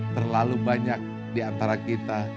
terlalu banyak diantara kita